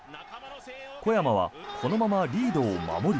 小山はこのままリードを守り。